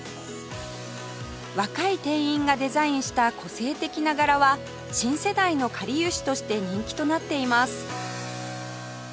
若い店員がデザインした個性的な柄は新世代のかりゆしとして人気となっています